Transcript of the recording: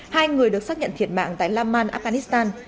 hai người được xác nhận thiệt mạng tại laman afghanistan